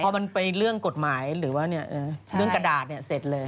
พอมันไปเรื่องกฎหมายหรือว่าเรื่องกระดาษเสร็จเลย